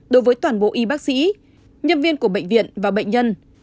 đối với toàn bộ y bác sĩ nhân viên của bệnh viện và bệnh nhân